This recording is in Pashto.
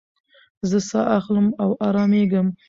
زه ساه اخلم او ارامېږم.